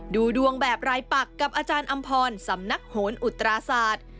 ดูดวงแบบรายปักกับอาจารย์อำพรสำนักโหนอุตราศาสตร์